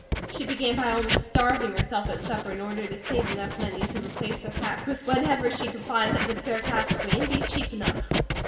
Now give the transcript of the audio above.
She began by almost starving herself at supper in order to save enough money to replace her hat with whatever she could find that would serve passably, and be cheap enough.